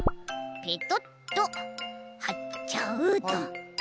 ペトッとはっちゃうと。